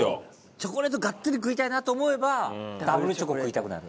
チョコレートがっつり食いたいなと思えばダブルチョコ食いたくなる。